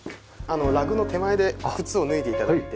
ラグの手前で靴を脱いで頂いて。